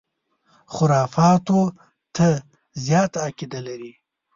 خُرافاتو ته زیاته عقیده لري.